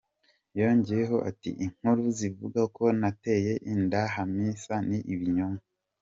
" Yongeyeho ati "Inkuru zivuga ko nateye inda Hamisa ni ibinyoma.